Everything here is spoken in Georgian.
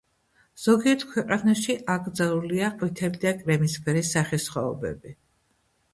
ზოგიერთ ქვეყანაში აკრძალულია ყვითელი და კრემისფერი სახესხვაობები.